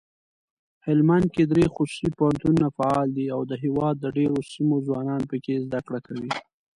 هلمندکې دري خصوصي پوهنتونونه فعال دي اودهیواد دډیروسیمو ځوانان پکښي زده کړه کوي.